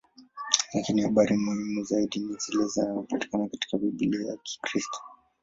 Lakini habari muhimu zaidi ni zile zinazopatikana katika Biblia ya Kikristo.